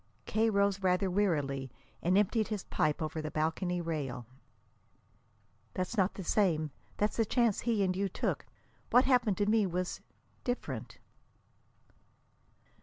K. rose rather wearily and emptied his pipe over the balcony rail. "That's not the same. That's the chance he and you took. What happened to me was different."